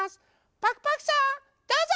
パクパクさんどうぞ！